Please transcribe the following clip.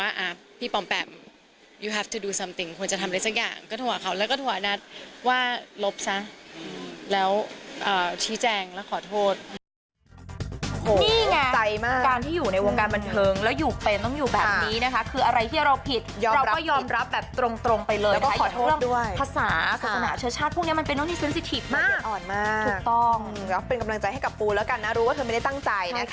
ในสักอย่างก็ถั่วเขาแล้วก็ถั่วนัทว่าลบซะแล้วชี้แจงแล้วขอโทษ